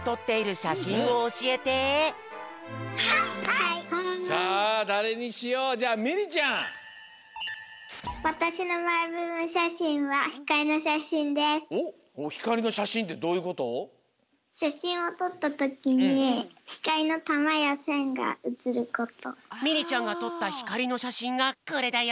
しゃしんをとったときにミリちゃんがとったひかりのしゃしんがこれだよ！